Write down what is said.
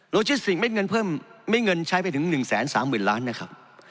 โลจิสติกเม็ดเงินเพิ่มเม็ดเงินใช้ไปถึงหนึ่งแสนสามหมื่นล้านนะครับ